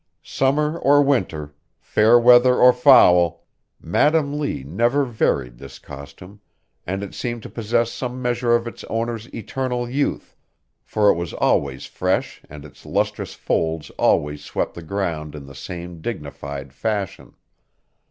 Summer or winter, fair weather or foul, Madam Lee never varied this costume, and it seemed to possess some measure of its owner's eternal youth, for it was always fresh and its lustrous folds always swept the ground in the same dignified fashion.